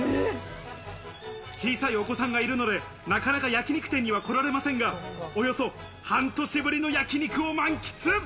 小さいお子さんがいるので、なかなか焼肉店には来られませんが、およそ半年ぶりに焼肉を満喫！